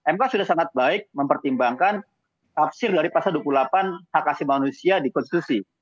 mk sudah sangat baik mempertimbangkan tafsir dari pasal dua puluh delapan hak asli manusia di konstitusi